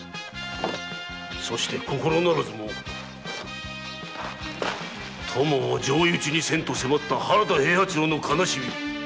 そして心ならずも友を上意討ちにせんと迫った原田平八郎の哀しみ。